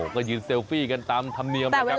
ก็ยืนเซลฟี่กันตามธรรมเนียมนะครับ